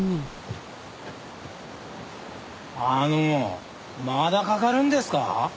あのまだかかるんですか？